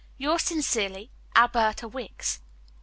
"Yours sincerely, "ALBERTA WICKS."